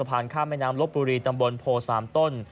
ข้ามแม่น้ำลบบุรีตำบลโพ๓ต้น